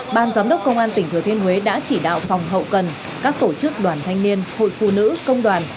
ban giám đốc công an tỉnh thừa thiên huế đã chỉ đạo phòng hậu cần các tổ chức đoàn thanh niên hội phụ nữ công đoàn